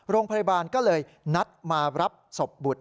โรงพยาบาลก็เลยนัดมารับศพบุตร